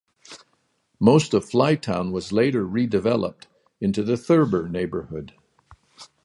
Most of Flytown was later redeveloped into the Thurber neighborhood.